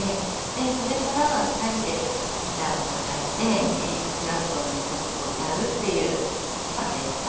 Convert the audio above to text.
でそれからは２人でギターを抱えてエリック・クラプトンの曲を歌うっていう日々でした。